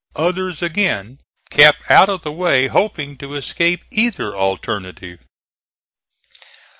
Others again kept out of the way, hoping to escape either alternative.